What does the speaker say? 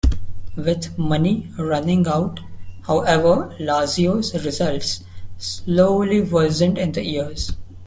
With money running out, however, Lazio's results slowly worsened in the years.